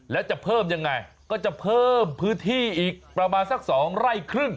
แล้วจะเพิ่มยังไงก็จะเพิ่มพื้นที่อีกประมาณสัก๒ไร่ครึ่ง